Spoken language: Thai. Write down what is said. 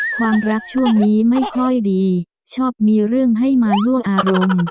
ความรักช่วงนี้ไม่ค่อยดีชอบมีเรื่องให้มายั่วอารมณ์